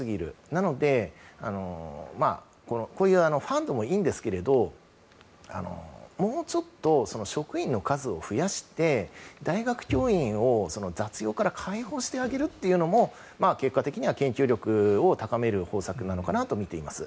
なので、こういうファンドもいいんですけどもうちょっと職員の数を増やして大学教員を雑用から解放してあげるというのも結果的には研究力を高める方策なのかなと思います。